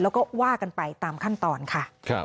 แล้วก็ว่ากันไปตามขั้นตอนค่ะ